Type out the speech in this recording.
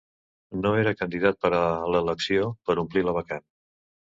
No era candidat per a l'elecció per omplir la vacant.